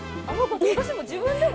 私も自分でも。